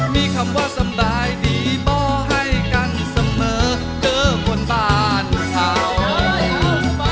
มีคำว่าสบายดีบ่ให้กันเสมอเจอคนบ้านเขา